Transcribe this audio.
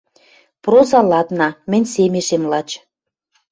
Проза ладна, мӹнь семешем лач...»